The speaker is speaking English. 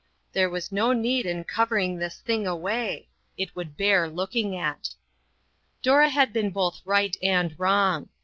There was no need in covering this thing away ; it would bear looking at. Dora had been both right and wrong.